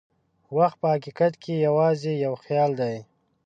وخت په حقیقت کې یوازې یو خیال دی.